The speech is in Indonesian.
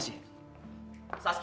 saya mau pergi